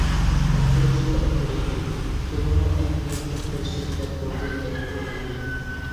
ئابدۇرۇسۇل ئابدۇرېھىم: تولىمۇ ئەھمىيەتلىك بىر سۆھبەت بولدى، دەپ ئويلايمەن.